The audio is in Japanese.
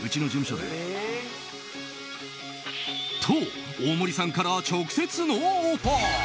と、大森さんから直接のオファー。